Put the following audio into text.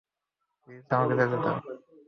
Please, আমাদের যেতে দাও।